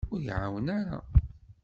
Ur iɛawen ara.